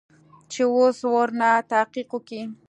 چې اوس ورنه تحقيق وکې.